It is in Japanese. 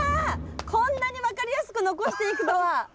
こんなに分かりやすく残していくとは。